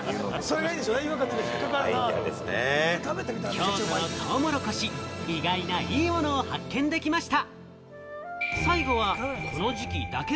京都のトウモロコシ、意外ないいものを発見できました。